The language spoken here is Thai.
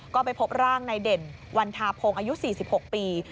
ก็ไปพบร่างในเด่นวันทาพงศ์อายุ๔๖ปี